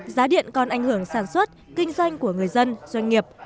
giá điện còn ảnh hưởng sản xuất kinh doanh của người dân doanh nghiệp